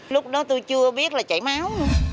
lúc đó tôi chưa biết là chảy máu